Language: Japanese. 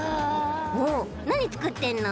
なにつくってんの？